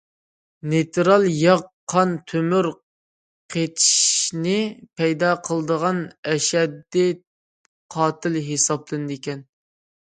نېيترال ياغ قان تومۇر قېتىشىشنى پەيدا قىلىدىغان ئەشەددىي قاتىل ھېسابلىنىدىكەن.